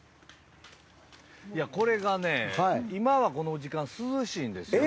これがね、今はこの時間涼しいんですよね。